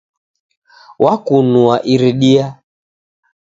Wakunua iridia